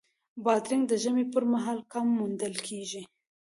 بادرنګ د ژمي پر مهال کم موندل کېږي.